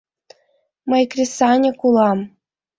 — Мый кресаньык улам!..